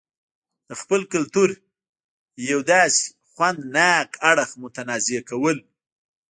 دخپل کلتور يو داسې خوند ناک اړخ متنازعه کول